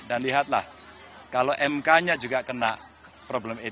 dan lihatlah kalau mk nya juga kena problem etika